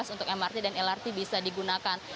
untuk mrt dan lrt bisa digunakan